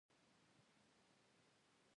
مالیاتو د کچې له زیاتوالي سره تړاو درلود.